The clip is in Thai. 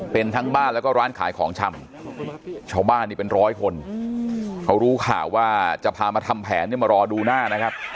เป็นทั้งบ้านแล้วก็ร้านขายของชำชาวบ้านนี่เป็นร้อยคนเขารู้ข่าวว่าจะพามาทำแผนเนี่ยมารอดูหน้านะครับ